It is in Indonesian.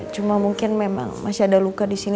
cuma mungkin memang masih ada luka di sini